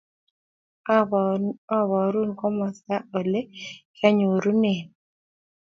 Aborun komosta Ole kianyorune ni